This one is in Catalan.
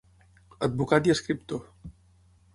Advocat i escriptor.